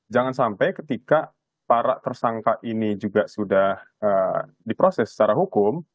jangan sampai ketika para tersangka ini juga sudah diproses secara hukum